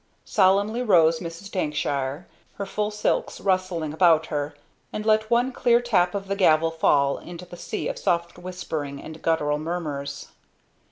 Solemnly rose Mrs. Dankshire, her full silks rustling about her, and let one clear tap of the gavel fall into the sea of soft whispering and guttural murmurs.